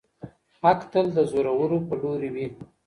حق تل د زورور په لوري وي.